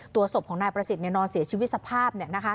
ตัวศพของนายประสิทธิ์นี่นอนเสียชีวิตสภาพนะคะ